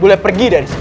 boleh pergi dari sini